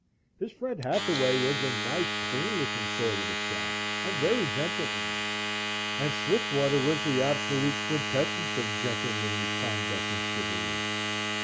His friend Hathaway was a nice clean looking sort of a chap and very gentlemanly, and Swiftwater was the absolute quintessence of gentlemanly conduct and chivalry.